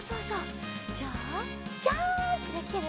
じゃあジャンプできる？